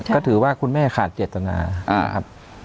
ก็ถือว่าคุณแม่ขาดเจตนานะครับ